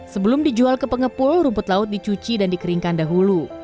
sebelum dijual ke pengepul rumput laut dicuci dan dikeringkan dahulu